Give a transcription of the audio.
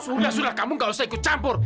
sudah sudah kamu gak usah ikut campur